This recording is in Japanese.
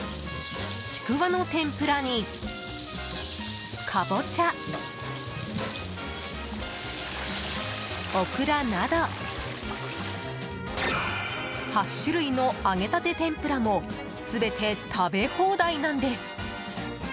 ちくわの天ぷらにカボチャ、オクラなど８種類の揚げたて天ぷらも全て食べ放題なんです。